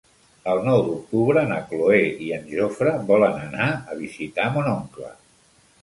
El nou d'octubre na Cloè i en Jofre volen anar a visitar mon oncle.